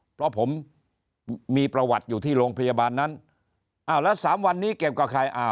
เพราะผมมีประวัติอยู่ที่โรงพยาบาลนั้นแล้ว๓วันนี้เก็บกว่าใคร